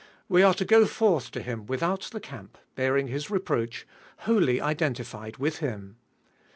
We are to go forth to Him without the camp bearing His reproach, wholly identified with Him.